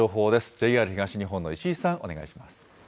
ＪＲ東日本の石井さん、お願いします。